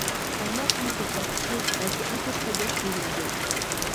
قايناق سۇنى كۆپرەك ئىچىش، ھەرىكەتنى كۆپ قىلدۇرۇش بۇيرۇلىدۇ.